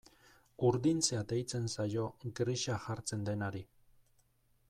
Urdintzea deitzen zaio grisa jartzen denari.